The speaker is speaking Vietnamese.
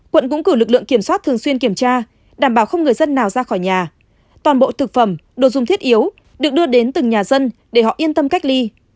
quận cũng cử lực lượng kiểm soát thường xuyên kiểm tra đảm bảo không người dân nào ra khỏi nhà toàn bộ thực phẩm đồ dùng thiết yếu được đưa đến từng nhà dân để họ yên tâm cách ly